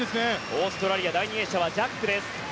オーストラリア第２泳者はジャックです。